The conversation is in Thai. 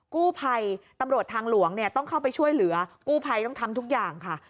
กู้ภัยตำรวจทางหลวงเนี่ยต้องเข้าไปช่วยเหลือกู้ภัยต้องทำทุกอย่างค่ะ